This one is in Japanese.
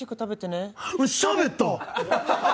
しゃべった！？